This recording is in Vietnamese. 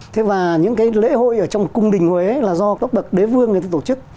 thế và những cái lễ hội ở trong cung đình huế là do các bậc đế vương người ta tổ chức